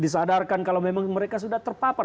disadarkan kalau memang mereka sudah terpapar